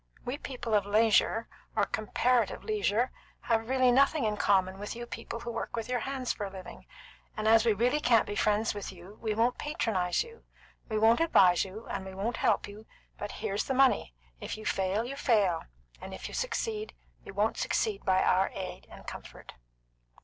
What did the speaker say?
We people of leisure, or comparative leisure, have really nothing in common with you people who work with your hands for a living; and as we really can't be friends with you, we won't patronise you. We won't advise you, and we won't help you; but here's the money. If you fail, you fail; and if you succeed, you won't succeed by our aid and comfort.'"